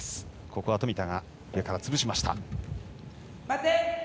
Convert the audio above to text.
ここは冨田が上から潰しました。